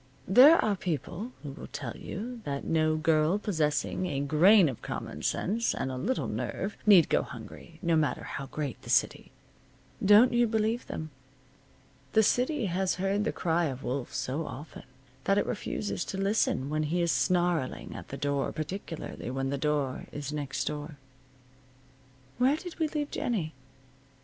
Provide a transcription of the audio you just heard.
There are people who will tell you that no girl possessing a grain of common sense and a little nerve need go hungry, no matter how great the city. Don't you believe them. The city has heard the cry of wolf so often that it refuses to listen when he is snarling at the door, particularly when the door is next door. Where did we leave Jennie?